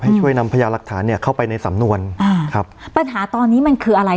ให้ช่วยนำพญาหลักฐานเนี้ยเข้าไปในสำนวนอ่าครับปัญหาตอนนี้มันคืออะไร